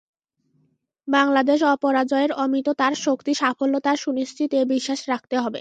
বাংলাদেশ অপরাজেয়, অমিত তার শক্তি, সাফল্য তার সুনিশ্চিত, এ-বিশ্বাস রাখতে হবে।